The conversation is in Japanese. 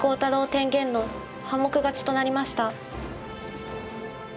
天元の半目勝ちとなりました。